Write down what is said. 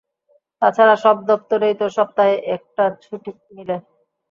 তাছাড়া সব দপ্তরেই তো সপ্তাহে একটা ছুটি মিলে।